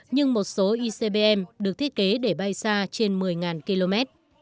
nhưng một số icbm được thiết kế để bay xa trên một mươi km